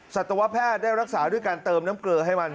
สัตวแพทย์ได้รักษาด้วยการเติมน้ำเกลือให้มัน